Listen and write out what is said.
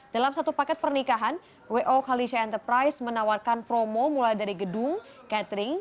dalam satu paket pernikahan wo kalisha enterprise menawarkan promo mulai dari gedung catering